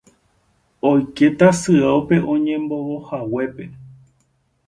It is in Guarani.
oike tasyópe oñembovohaguépe